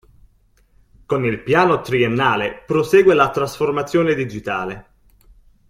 Con il Piano Triennale prosegue la trasformazione digitale.